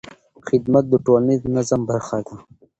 خدمت د ټولنیز نظم برخه ده.